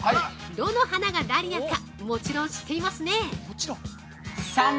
どの花がダリアかもちろん知っていますね？